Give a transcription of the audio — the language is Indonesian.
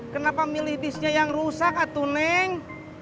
kenapa milih bisnya yang rusak atuneng